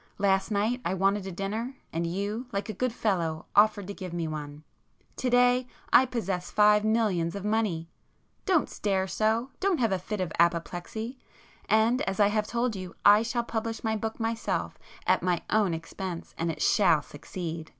Last night I wanted a dinner, and you, like a good fellow, offered to give me one,—to day I possess five millions of money! Don't stare so! don't have a fit of apoplexy! And as I have told you, I shall publish my book myself at my own expense, and it shall succeed!